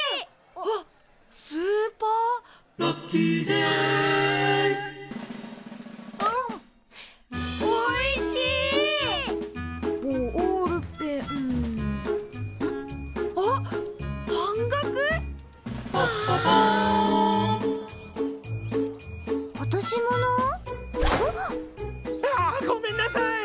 あっ！わごめんなさい！